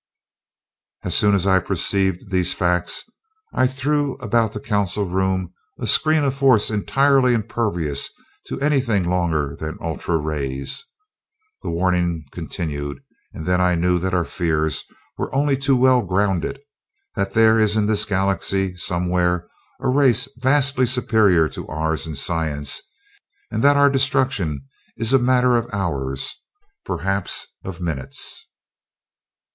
"As soon as I perceived these facts I threw about the council room a screen of force entirely impervious to anything longer than ultra rays. The warning continued, and I then knew that our fears were only too well grounded that there is in this Galaxy somewhere a race vastly superior to ours in science and that our destruction is a matter of hours, perhaps of minutes."